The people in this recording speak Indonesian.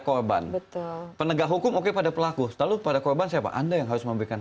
korban betul penegak hukum oke pada pelaku selalu pada korban siapa anda yang harus memberikan